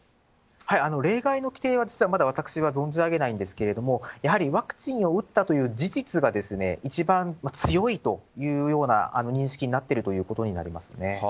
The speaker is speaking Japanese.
例外の規定は実はまだ私は存じ上げないんですけれども、やはりワクチンを打ったという事実が、一番強いというような認識になっているということになりますね。